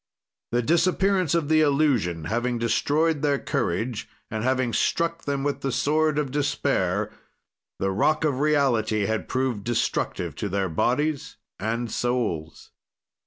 "The disappearance of the illusion, having destroyed their courage and having struck them with the sword of despair, the rock of reality had proved destructive of their bodies and souls.